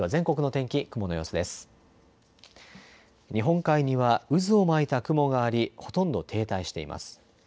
日本海には渦を巻いた雲がありほとんど停滞しています。